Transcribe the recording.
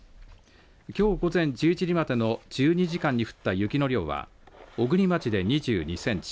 きょう午前１１時までの１２時間に降った雪の量は小国町で２２センチ